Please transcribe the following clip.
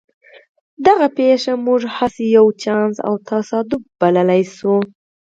دغه پېښه موږ هسې یو چانس او تصادف بللای شو